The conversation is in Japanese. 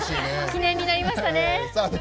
記念になりましたね。